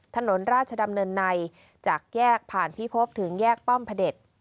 ถนนราชดำเนินในจากแยกผ่านพิพบถึงแยกป้อมพระเด็จ